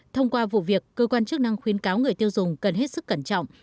thông qua vụ việc cơ quan chức năng khuyến cáo người tiêu dùng cần hết sức cẩn trọng